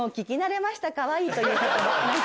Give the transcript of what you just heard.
「かわいい」という言葉。